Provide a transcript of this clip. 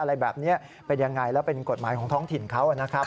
อะไรแบบนี้เป็นยังไงแล้วเป็นกฎหมายของท้องถิ่นเขานะครับ